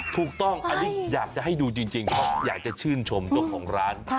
ถูกต้องอันนี้อยากจะให้ดูจริงเพราะอยากจะชื่นชมเจ้าของร้าน